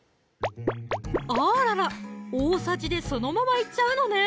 あらら大さじでそのままいっちゃうのね